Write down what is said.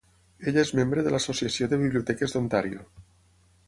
Ella és membre de l'Associació de biblioteques d'Ontàrio.